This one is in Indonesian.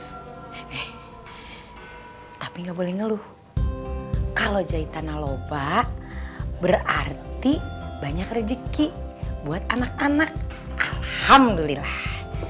hai tapi gak boleh ngeluh ye blur kalau jahitan naoba berarti banyak rezeki buat anak anak alhamdulillah